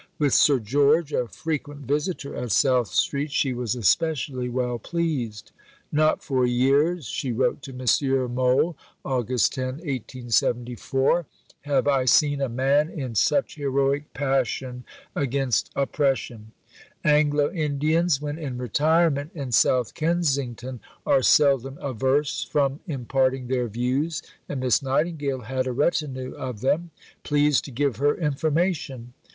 With Sir George, a frequent visitor at South Street, she was especially well pleased. "Not for years," she wrote to M. Mohl (Aug. 10, 1874), "have I seen a man in such heroic passion against oppression." Anglo Indians, when in retirement in South Kensington, are seldom averse from imparting their views, and Miss Nightingale had a retinue of them, pleased to give her information.